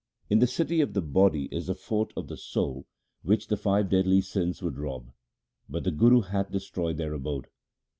In the city of the body is the fort of the soul which the five deadly sins would rob, but the Guru hath destroyed their abode.